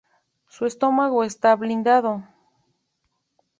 Su estómago esta blindado.